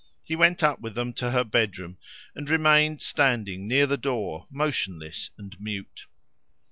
He went up with them to her bedroom, and remained standing near the door, motionless and mute.